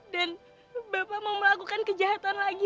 dan bapak mau melakukan kejahatan lagi